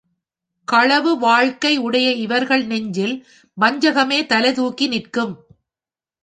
களவு வாழ்க்கை உடைய இவர்கள் நெஞ்சில் வஞ்சகமே தலைதூக்கி நிற்கும்.